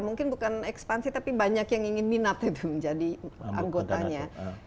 mungkin bukan ekspansi tapi banyak yang ingin minat itu menjadi anggotanya